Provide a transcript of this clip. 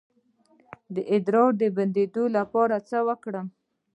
د ادرار د بندیدو لپاره باید څه وکړم؟